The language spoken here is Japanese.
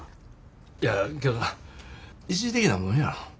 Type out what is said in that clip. いやけどな一時的なもんやろ。